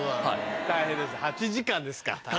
大変でした８時間ですか。